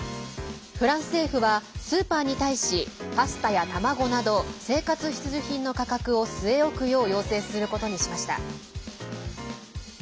フランス政府はスーパーに対しパスタや卵など生活必需品の価格を据え置くよう要請することにしました。